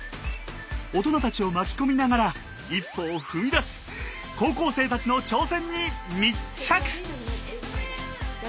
大人たちを巻き込みながら一歩を踏みだす高校生たちの挑戦に密着。